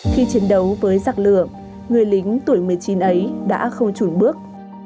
khi chiến đấu với giặc lửa người lính tuổi một mươi chín ấy đã không trùn bước